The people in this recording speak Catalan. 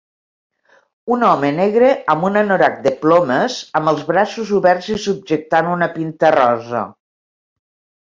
Un home negre amb un anorac de plomes amb els braços oberts i subjectant una pinta rosa.